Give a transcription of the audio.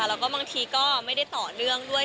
แล้วก็บางทีก็ไม่ได้ต่อเนื่องด้วย